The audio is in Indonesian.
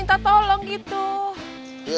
mau minta tolong gitu